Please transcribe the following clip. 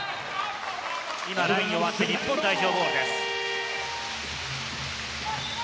今、ラインを割って日本代表ボールです。